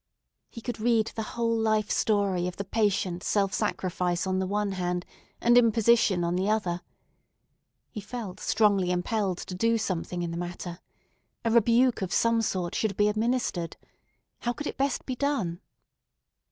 He could read the whole life story of the patient self sacrifice on the one hand and imposition on the other. He felt strongly impelled to do something in the matter. A rebuke of some sort should be administered. How could it best be done?